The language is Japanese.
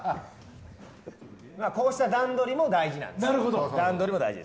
こうした段取りも大事です。